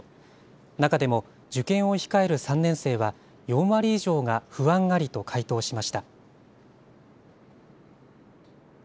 中でも受験を控える３年生は、４割以上が不安ありと回答しました。